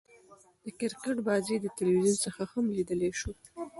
د کرکټ بازۍ له تلویزیون څخه هم ليدلاى سو.